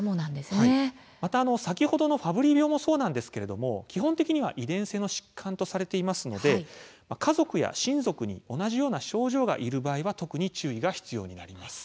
また先ほどのファブリー病もそうなんですけれども基本的には遺伝性の疾患とされていますので家族や親族に同じような症状のある人がいる場合特に注意が必要になります。